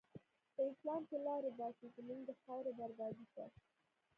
په اسلام کی لاری باسی، زموږ د خاوری بربادی ته